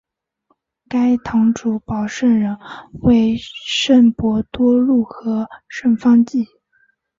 该堂主保圣人为圣伯多禄和圣方济。